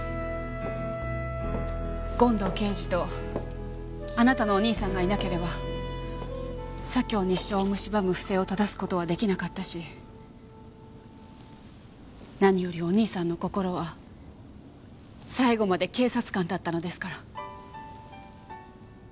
権藤刑事とあなたのお兄さんがいなければ左京西署を蝕む不正をただす事は出来なかったし何よりお兄さんの心は最後まで警察官だったのですから。